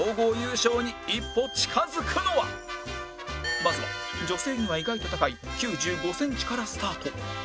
まずは女性には意外と高い９５センチからスタート